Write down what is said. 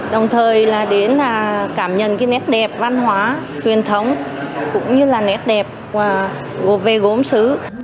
đồng thời đến cảm nhận nét đẹp văn hóa truyền thống cũng như là nét đẹp về gốm sứ